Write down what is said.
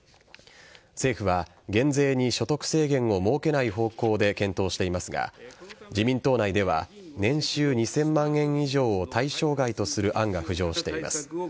政府は、減税に所得制限を設けない方向で検討していますが自民党内では年収２０００万円以上を対象外とする案が浮上しています。